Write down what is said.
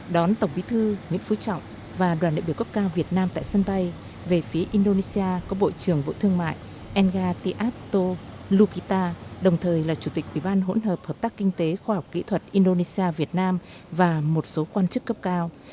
đón tổng bí thư nguyễn phú trọng và đoàn đại biểu cấp cao việt nam tại sân bay về phía indonesia có bộ trưởng bộ thương mại enga ti atto luka đồng thời là chủ tịch ủy ban hỗn hợp hợp tác kinh tế khoa học kỹ thuật indonesia việt nam và một số quan chức cấp cao